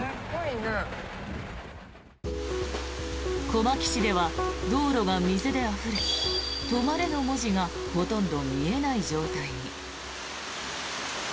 小牧市では道路が水であふれ「止まれ」の文字がほとんど見えない状態に。